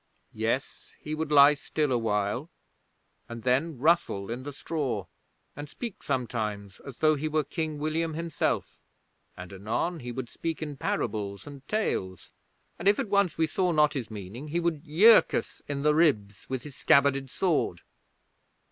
Yes; he would lie still awhile, and then rustle in the straw, and speak sometimes as though he were King William himself, and anon he would speak in parables and tales, and if at once we saw not his meaning he would yerk us in the ribs with his scabbarded sword.